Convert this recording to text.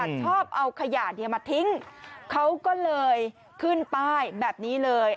ชอบเอาขยะเนี่ยมาทิ้งเขาก็เลยขึ้นป้ายแบบนี้เลย